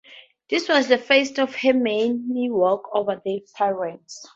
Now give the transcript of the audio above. This was the first of her many walks over the Pyrenees.